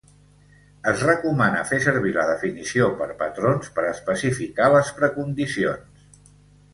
Es recomana fer servir la definició per patrons per especificar les precondicions.